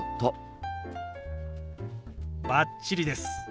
バッチリです。